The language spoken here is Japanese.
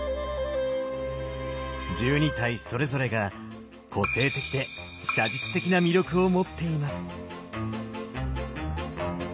１２体それぞれが個性的で写実的な魅力を持っています。